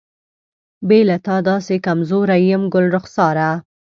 بې له تا داسې کمزوری یم ګلرخساره.